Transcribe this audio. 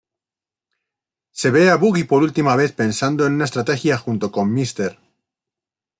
Se ve a Buggy por última vez pensando en una estrategia junto con Mr.